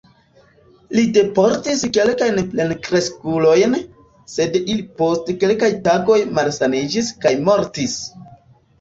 Li deportis kelkajn plenkreskulojn, sed ili post kelkaj tagoj malsaniĝis kaj mortis.